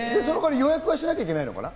予約はしなきゃいけないのかな？